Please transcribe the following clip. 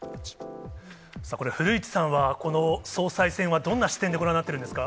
これ、古市さんはこの総裁選はどんな視点でご覧になっているんですか。